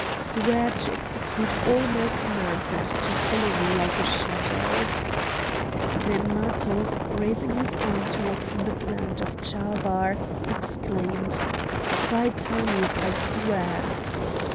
"Swear to execute all my commands and to follow me like a shadow!" Then Matho, raising his arm towards the planet of Chabar, exclaimed: "By Tanith, I swear!"